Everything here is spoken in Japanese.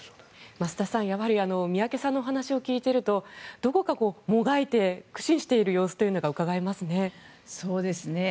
増田さん宮家さんのお話を聞いているとどこかもがいて苦心している様子がうかがえますね。